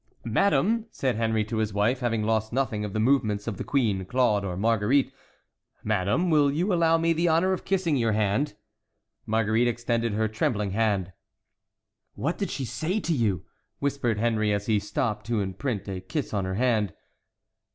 "Madame," said Henry to his wife, having lost nothing of the movements of the queen, Claude, or Marguerite,—"madame, will you allow me the honor of kissing your hand?" Marguerite extended her trembling hand. "What did she say to you?" whispered Henry, as he stooped to imprint a kiss on her hand.